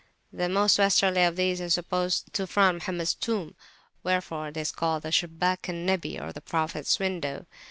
The most Westerly of these is supposed to front Mohammed's tomb, wherefore it is called the Shubak al Nabi, or the Prophet's window.